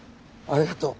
ありがとう。